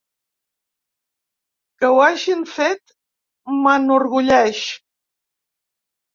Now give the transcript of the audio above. Que ho hagin fet, m’enorgulleix.